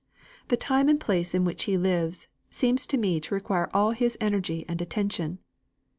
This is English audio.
The time and place in which he lives, seem to me to require all his energy and attention.